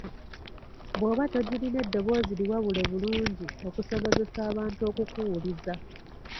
Bw’oba togirina eddoboozi liwawule bulungi okusobozesa abantu okukuwuliriza.